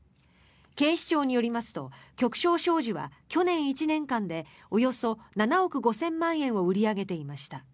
警視庁によりますと旭昇商事は去年１年間でおよそ７億５０００万円を売り上げていました。